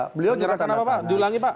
beliau menyerahkan apa pak diulangi pak